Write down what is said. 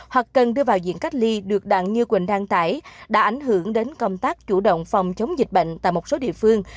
hoặc cần đưa vào diện cách ly được đặng như quỳnh đăng tải đã ảnh hưởng đến công tác chủ động phòng chống dịch bệnh tại một số địa phương